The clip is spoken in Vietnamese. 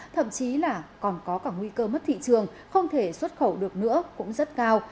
thậm chí là còn có cả nguy cơ mất thị trường không thể xuất khẩu được nữa cũng rất cao